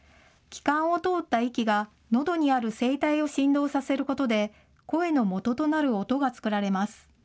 気管を通った息がのどにある声帯を振動させることで、声のもととなる音が作られます。